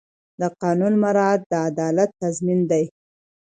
د قانون مراعات د عدالت تضمین دی.